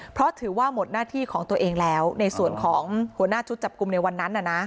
เพราะถือว่าหมดหน้าที่ของตัวเองแล้วในส่วนของหัวหน้าชุดจับกลุ่มในวันนั้น